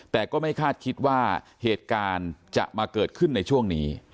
แต่ก็ไม่คาดคิดว่าเหตุการณ์จะมาเกิดขึ้นในช่วงนี้